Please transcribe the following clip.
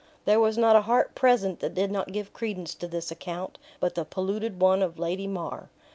There was not a heart present that did not give credence to this account, but the polluted one of Lady Mar.